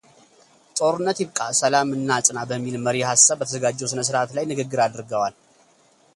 ጦርነት ይብቃ ሰላም እናጽና በሚል መሪ ሐሳብ በተዘጋጀው ሥነ ሥርዓት ላይ ንግግር አድርገዋል